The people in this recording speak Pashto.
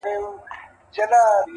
او چرته بیا تور رنګ